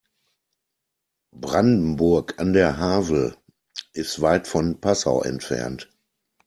Brandenburg an der Havel ist weit von Passau entfernt